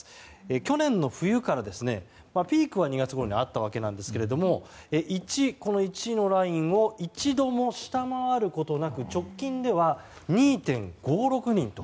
去年の冬からピークは２月ごろにあったわけですが１のラインを一度も下回ることなく直近では２．５６人と。